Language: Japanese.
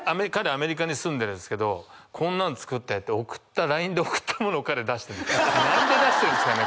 アメリカに住んでるんですけどこんなん作ったよって送ったＬＩＮＥで送ったものを彼出してる何で出してるんですかね？